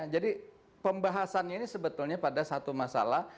jadi pembahasannya ini sebetulnya pada satu masalah